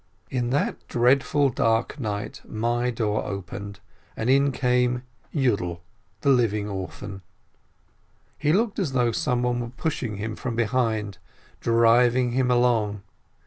In that dreadful dark night my door opened, and in came — Yiidel, the "living orphan"; he looked as though someone were pushing him from behind, driving him along.